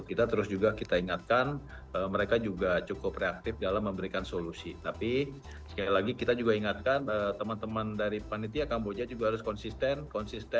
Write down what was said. kita terus ingatkan teman teman di sini